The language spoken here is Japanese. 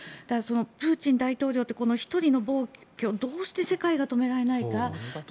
プーチン大統領という１人の暴挙をどうして世界が止められないか。